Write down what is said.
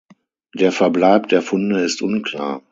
Der Verbleib der Funde ist unklar.